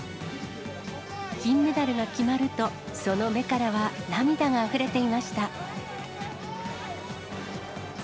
金メダルが決まると、その目からは涙があふれていました。